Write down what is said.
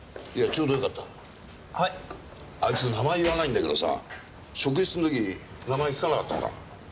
あいつ名前言わないんだけどさ職質の時名前聞かなかったのか？